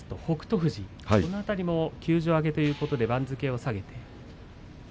富士も休場明けということで番付を下げています。